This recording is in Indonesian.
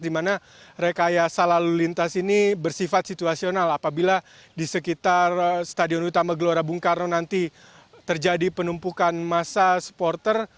di mana rekayasa lalu lintas ini bersifat situasional apabila di sekitar stadion utama gelora bung karno nanti terjadi penumpukan massa supporter